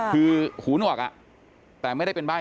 คือหูหนวกแต่ไม่ได้เป็นใบ้